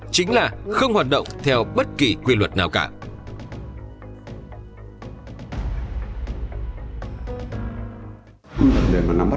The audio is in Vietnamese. phải hoạt động theo bất kỳ quy luật nào cả